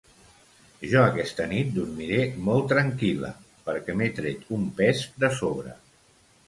Jo, aquesta nit, dormiré molt tranquil·la, perquè m’he tret un pes de sobre.